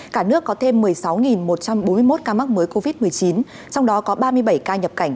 cả nước có thêm một mươi sáu một trăm bốn mươi một ca mắc mới covid một mươi chín trong đó có ba mươi bảy ca nhập cảnh